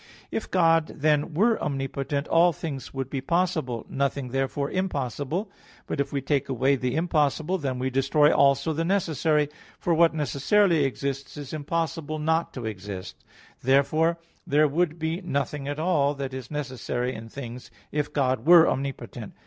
If God, then, were omnipotent, all things would be possible; nothing, therefore impossible. But if we take away the impossible, then we destroy also the necessary; for what necessarily exists is impossible not to exist. Therefore there would be nothing at all that is necessary in things if God were omnipotent.